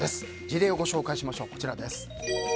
事例をご紹介しましょう。